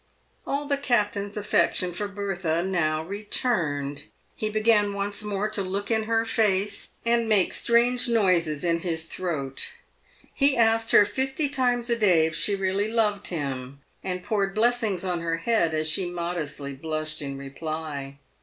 All the captain's affection for Bertha now returned. He began once more to look in her face, and make strange noises in his throat. He asked her fifty times a day if she really loved him, and poured blessings on her head as she modestly blushed in reply.